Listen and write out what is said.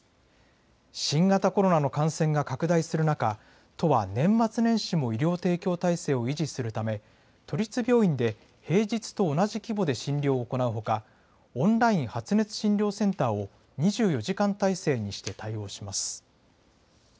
新型コロナの感染が拡大する中、都は年末年始も医療提供体制を維持するため、都立病院で平日と同じ規模で診療を行うほか、オンライン発熱診療センターを２４時間態勢にして対応します。